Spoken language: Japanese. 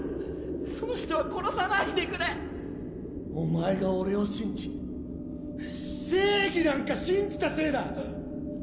その人は殺さないでくれお前が俺を信じ正義なんか信じたせいだ